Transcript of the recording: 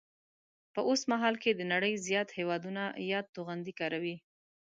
په اوسمهال کې د نړۍ زیات هیوادونه یاد توغندي کاروي